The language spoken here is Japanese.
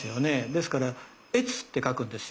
ですから「越」って書くんですよ。